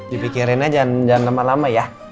dipikirin aja jangan lama lama ya